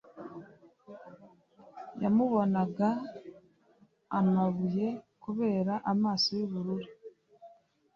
Yamubonaga amabuye kubera amaso yubururu